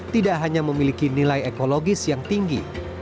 tidak hanya memiliki nilai ekologis yang tinggi